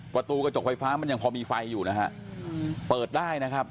ประตูกระจกไฟฟ้ามันยังพอมีไฟอยู่นะฮะเปิดได้นะครับ